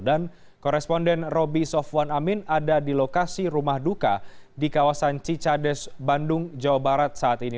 dan koresponden roby sofwan amin ada di lokasi rumah duka di kawasan cicades bandung jawa barat saat ini